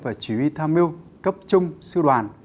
và chỉ huy tham mưu cấp trung sư đoàn